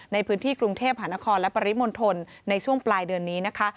ในพื้นที่กรุงเทพหานครและปริมณฑลในช่วงปลายเดือนนี้นะคะ